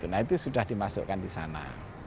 nah itu sudah dimasukkan di sana